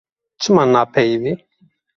Çima napeyivî.